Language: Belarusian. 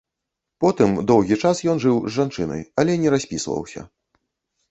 Потым доўгі час ён жыў з жанчынай, але не распісваўся.